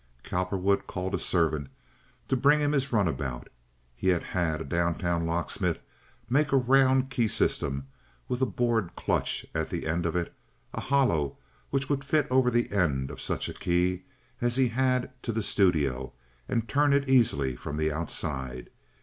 Cowperwood called a servant to bring him his runabout. He had had a down town locksmith make a round keystem with a bored clutch at the end of it—a hollow which would fit over the end of such a key as he had to the studio and turn it easily from the outside.